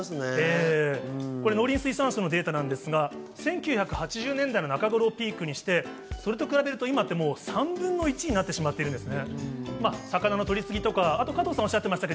農林水産省のデータなんですが、１９８０年代の中頃をピークにして今は３分の１になってしまってるんですね。